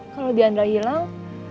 kalau diandra hilang